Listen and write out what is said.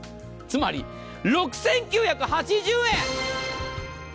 つまり６９８０円。